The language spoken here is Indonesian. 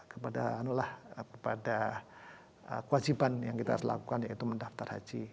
kepada anulah kepada kewajiban yang kita harus lakukan yaitu mendaftar haji